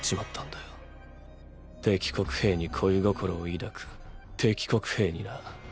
敵国兵に恋心を抱く敵国兵にな。